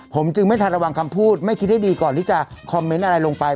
ผมจึงไม่ทันระวังคำพูดไม่คิดให้ดีก่อนที่จะคอมเมนต์อะไรลงไป